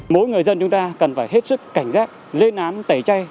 mỗi người dân chúng ta cần phải hết sức cảnh giác lên án tẩy chay